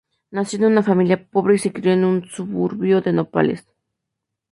Nació en una familia pobre y se crio en un suburbio de Nápoles.